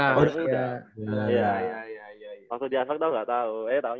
waktu di aspak tau ga tau